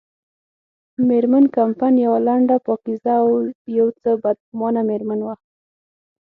مېرمن کمپن یوه لنډه، پاکیزه او یو څه بدګمانه مېرمن وه.